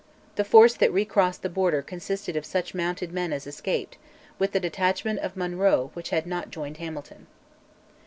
The force that recrossed the Border consisted of such mounted men as escaped, with the detachment of Monro which had not joined Hamilton.